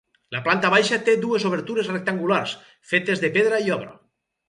La planta baixa té dues obertures rectangulars, fetes de pedra i obra.